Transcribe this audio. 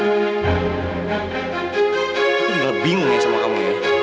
gak bisa bingung ya sama kamu ya